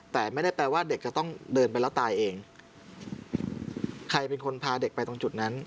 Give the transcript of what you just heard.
แต่ไม่ได้แปลว่าเด็กจะต้องเดินไปแล้วตายเองใครเป็นคนพาเด็กไปตรงจุดนั้น